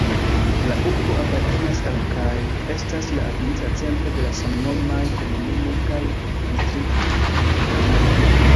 La urbo apartenas al kaj estas la administra centro de samnomaj komunumo kaj distrikto.